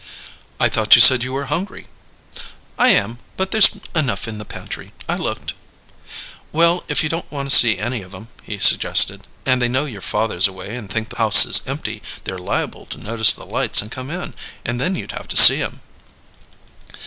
"I thought you said you were hungry?" "I am; but there's enough in the pantry. I looked." "Well, if you don't want to see any of 'em," he suggested, "and they know your father's away and think the house is empty, they're liable to notice the lights and come in, and then you'd have to see 'em."